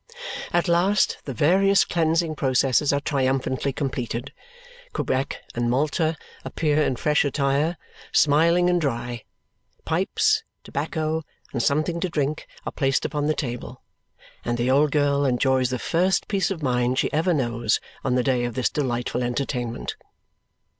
At last the various cleansing processes are triumphantly completed; Quebec and Malta appear in fresh attire, smiling and dry; pipes, tobacco, and something to drink are placed upon the table; and the old girl enjoys the first peace of mind she ever knows on the day of this delightful entertainment.